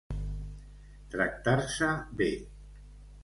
Tractar-se bé.